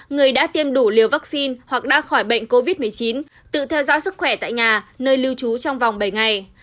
người đã tiêm đủ liều vaccine hoặc đã khỏi bệnh covid một mươi chín tự theo dõi sức khỏe tại nhà nơi lưu trú trong vòng bảy ngày